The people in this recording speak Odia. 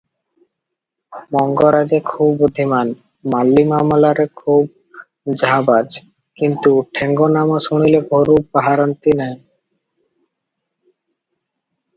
ମଙ୍ଗରାଜେ ଖୁବ୍ ବୁଦ୍ଧିମାନ, ମାଲି ମାମଲାରେ ଖୁବ୍ ଜାହାଁବାଜ; କିନ୍ତୁ ଠେଙ୍ଗନାମ ଶୁଣିଲେ ଘରୁ ବାହରନ୍ତି ନାହିଁ ।